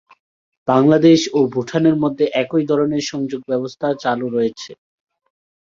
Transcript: বাংলাদেশ ও ভূটানের মধ্যে একই ধরনের সংযোগ ব্যবস্থা চালু রয়েছে।